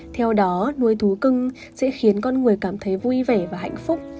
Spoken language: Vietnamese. theo đó nuôi thú cưng sẽ khiến con người cảm thấy vui vẻ và hạnh phúc